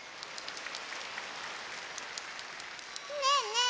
ねえねえ